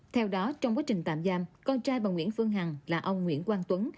theo đó trong quá trình tạm giam con trai bà nguyễn phương hằng là ông nguyễn quang tuấn